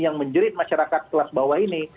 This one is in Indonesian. yang menjerit masyarakat kelas bawah ini